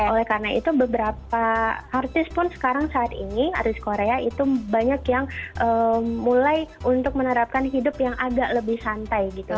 oleh karena itu beberapa artis pun sekarang saat ini artis korea itu banyak yang mulai untuk menerapkan hidup yang agak lebih santai gitu